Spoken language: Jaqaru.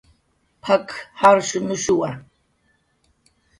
"P""ak"" jarshunushuwa "